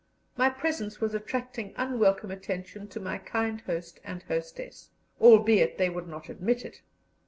My presence was attracting unwelcome attention to my kind host and hostess, albeit they would not admit it.